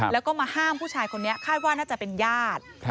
แล้วก็มาห้ามผู้ชายคนนี้คาดว่าน่าจะเป็นญาติ